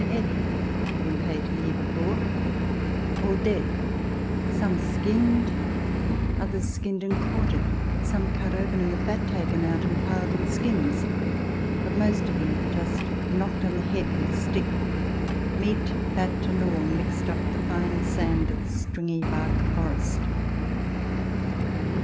a head had been paid the year before all dead ; some skinned ; others skinned and quartered ; some cut open and the fat taken out and piled in skins, but most of them just knocked on the head with a stick ; meat, fat, and all mixed with the fine sand of the stringy bark forest.